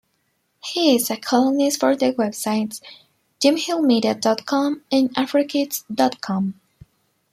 He is a columnist for the websites JimHillMedia dot com and AfroKids dot com.